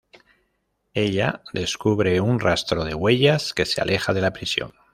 Ella descubre un rastro de huellas que se aleja de la prisión.